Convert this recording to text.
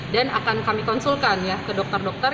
dan akan kami konsulkan ke dokter dokter